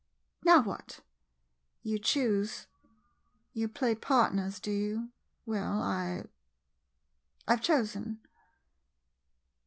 ] Now what? You choose — you play part ners, do you ? Well — I — I 've chosen.